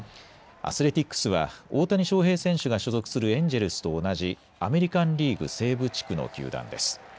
アスレティックスは大谷翔平選手が所属するエンジェルスと同じアメリカンリーグ西部地区の球団です。